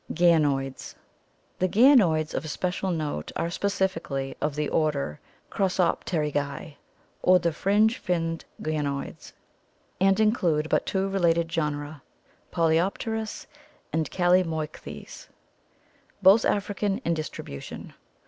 Ganoids — The ganoids of especial note are specifically of the order Crossopterygii, or the fringe finned ganoids, and include but two related genera, Polyplerus and Calamoichlkys, both African in distribution.